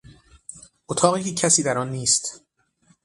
اتاقی که کسی در آن نیست